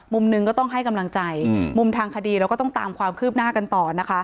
มุมหนึ่งก็ต้องให้กำลังใจมุมทางคดีเราก็ต้องตามความคืบหน้ากันต่อนะคะ